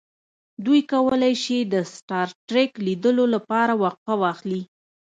دوی کولی شي د سټار ټریک لیدلو لپاره وقفه واخلي